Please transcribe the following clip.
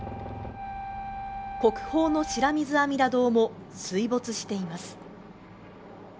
国宝の白水阿弥陀堂も水没しています。